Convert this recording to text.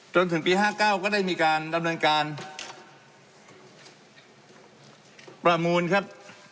จนถึงปี๕๙ก็ได้มีการดำเนินการประมูลครับ